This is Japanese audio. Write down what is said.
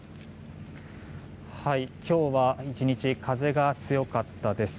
今日は１日風が強かったです。